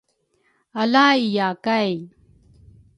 Ala iya kay